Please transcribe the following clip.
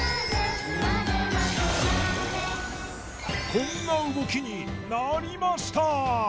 こんな動きになりました！